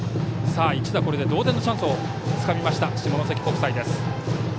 一打、同点のチャンスをつかみました下関国際。